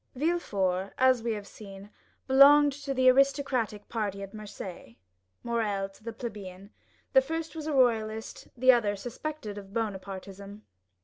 Villefort, as we have seen, belonged to the aristocratic party at Marseilles, Morrel to the plebeian; the first was a royalist, the other suspected of Bonapartism.